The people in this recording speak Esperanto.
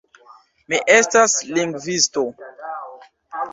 Mi estas lingvisto.